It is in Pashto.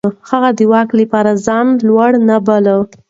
هغه د واک لپاره ځان لوړ نه باله.